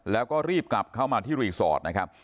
แล้วก็รีบกลับเข้ามาที่รีสอร์ทนะครับ